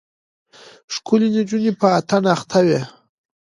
ښکلې نجونه په اتڼ اخته وې.